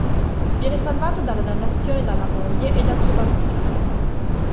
Viene salvato dalla dannazione dalla moglie e dal suo bambino.